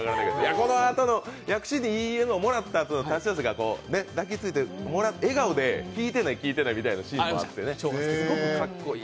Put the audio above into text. このあとの薬師寺にいい笑顔もらったあとの抱きついて笑顔で聞いてない、聞いてないみたいなシーンもあってね、すごくかっこいい。